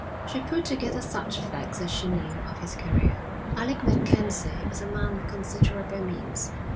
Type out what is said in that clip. She put together such facts as she knew of his career. Alec MacKenzie was a man of considerable means.